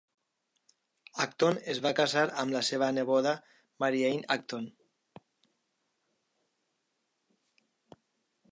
Acton es va casar amb la seva neboda Mary Anne Acton.